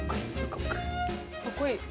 かっこいい。